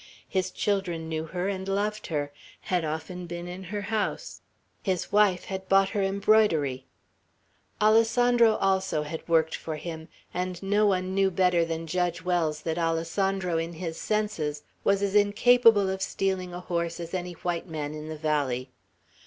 His children knew her and loved her; had often been in her house; his wife had bought her embroidery. Alessandro also had worked for him; and no one knew better than Judge Wells that Alessandro in his senses was as incapable of stealing a horse as any white man in the valley.